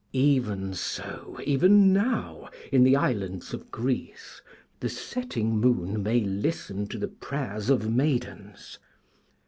Even so, even now, in the islands of Greece, the setting Moon may listen to the prayers of maidens.